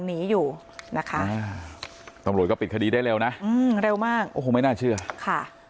หนีอยู่นะคะตำรวจก็ปิดคดีได้เร็วนะอืมเร็วมากโอ้โหไม่น่าเชื่อค่ะ